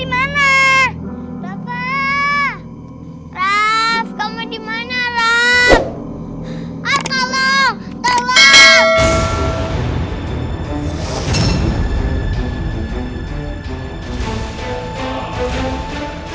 itu kan suara raffa berarti gak jauh dari sini